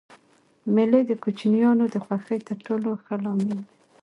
مېلې د کوچنيانو د خوښۍ تر ټولو ښه لامل دئ.